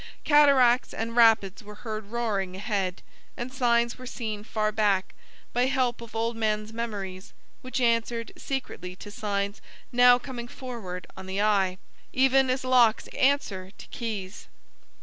Cataracts and rapids were heard roaring ahead; and signs were seen far back, by help of old men's memories, which answered secretly to signs now coming forward on the eye, even as locks answer to keys.